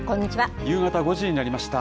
夕方５時になりました。